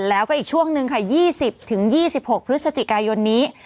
แล้วก็อีกช่วงหนึ่งค่ะ๒๐๒๖พฤศจิกายนนี้